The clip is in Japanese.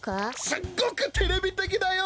すっごくテレビてきだよ。